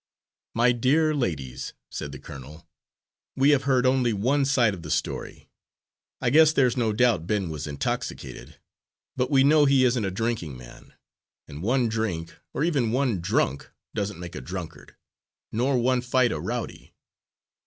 "My dear ladies," said the colonel, "we have heard only one side of the story. I guess there's no doubt Ben was intoxicated, but we know he isn't a drinking man, and one drink or even one drunk doesn't make a drunkard, nor one fight a rowdy.